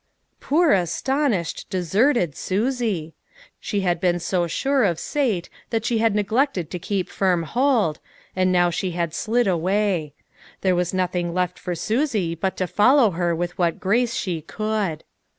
Poor, astonished, deserted Susie ! She had been so sure of Sate that she had neg lected to keep firm hold, and now she had slid away. There was nothing left for Susie but to follow her with what grace she could.